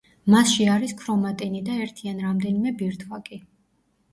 მასში არის ქრომატინი და ერთი ან რამდენიმე ბირთვაკი.